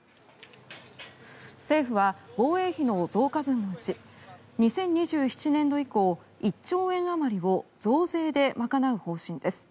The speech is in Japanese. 政府は防衛費の増加分のうち２０２７年度以降１兆円あまりを増税で賄う方針です。